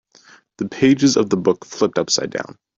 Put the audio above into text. The pages of the book flipped upside down.